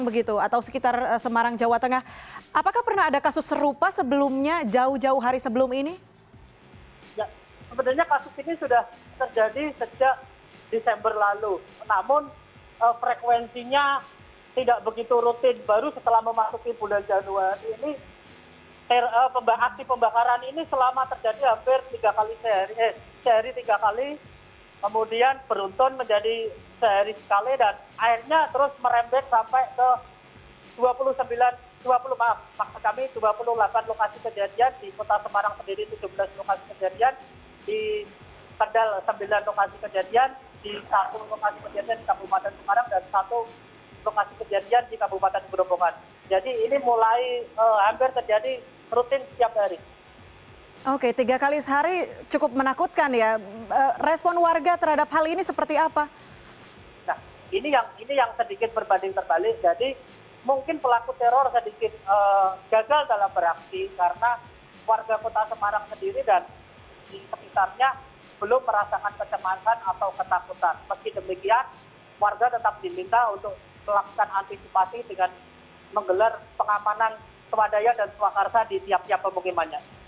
meski demikian warga tetap diminta untuk melakukan antisipasi dengan menggelar pengapanan kewadayaan dan kewakasan di tiap tiap pemukimannya